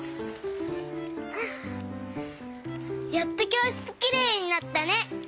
やっときょうしつきれいになったね！